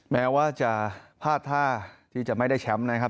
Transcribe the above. แม้ว่าจะพลาดท่าที่จะไม่ได้แชมป์นะครับ